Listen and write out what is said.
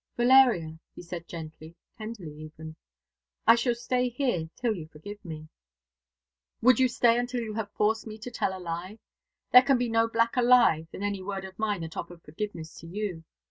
"Valeria," he said gently, tenderly even, "I shall stay here till you forgive me." "Would you stay until you have forced me to tell a lie? There can be no blacker lie than any word of mine that offered forgiveness to you.